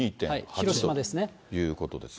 広島ですね。